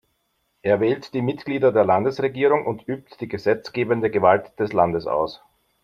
Er wählt die Mitglieder der Landesregierung und übt die gesetzgebende Gewalt des Landes aus.